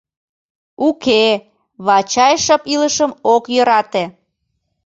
Уке, Вачай шып илышым ок йӧрате.